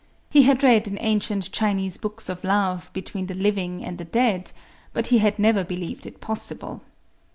He had read in ancient Chinese books of love between the living and the dead; but he had never believed it possible.